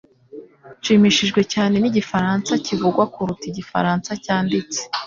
Nshimishijwe cyane nigifaransa kivugwa kuruta igifaransa cyanditse